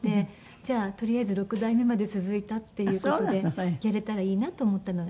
じゃあとりあえず６代目まで続いたっていう事でやれたらいいなと思ったのが。